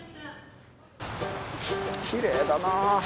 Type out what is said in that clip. きれいだな。